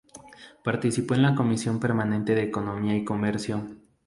Participó de la comisión permanente de Economía y Comercio.